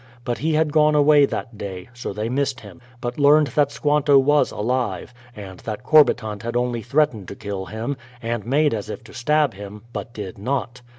But he had gone away that day; so they missed him, but learned that Squanto was alive, and that Corbitant had only threat ened to kill him, and made as if to stab him, but did not.